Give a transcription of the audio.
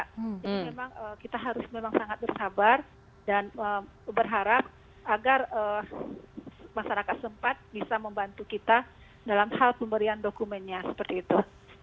jadi memang kita harus memang sangat bersabar dan berharap agar masyarakat sempat bisa membantu kita dalam hal pemberian dokumennya seperti itu